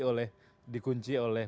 oleh di kunci oleh